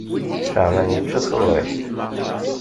Caɛban yečča taḍriḥt.